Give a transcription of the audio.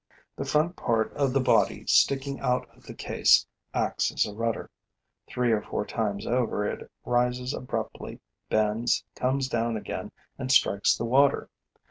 The front part of the body, sticking out of the case, acts as a rudder. Three or four times over, it rises abruptly, bends, comes down again and strikes the water.